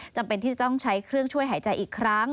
จำเป็นที่จะต้องใช้เครื่องช่วยหายใจอีกครั้ง